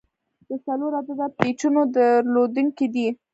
د څلور عدده پیچونو درلودونکی دی.